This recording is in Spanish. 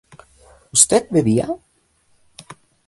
¿usted bebía?